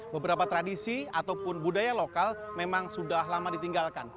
beberapa tradisi ataupun budaya lokal memang sudah lama ditinggalkan